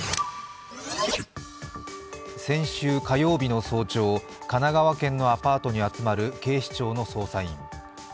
先週火曜日の早朝、神奈川県のアパートに集まる警視庁の捜査員。